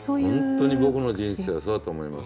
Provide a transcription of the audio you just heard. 本当に僕の人生はそうだと思います。